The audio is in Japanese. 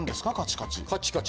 カチカチ。